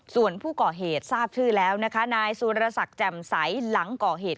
ส่วนผู้ก่อเหตุทราบชื่อแล้วนะคะนายสุรศักดิ์แจ่มใสหลังก่อเหตุ